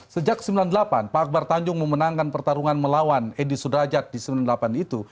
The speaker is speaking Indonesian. sejak seribu sembilan ratus sembilan puluh delapan pak akbar tanjung memenangkan pertarungan melawan edi sudrajat di sembilan puluh delapan itu